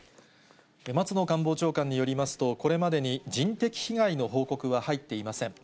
松野官房長官によりますと、これまでに人的被害の報告は入っていません。